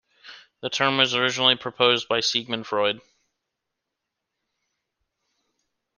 The term was originally proposed by Sigmund Freud.